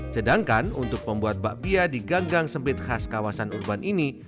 sedangkan untuk membuat bakpia di ganggang sempit khas kawasan urban ini